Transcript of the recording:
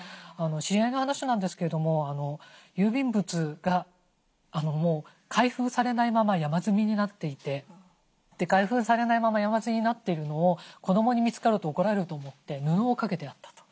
知り合いの話なんですけども郵便物が開封されないまま山積みになっていて開封されないまま山積みになっているのを子どもに見つかると怒られると思って布をかけてあったと。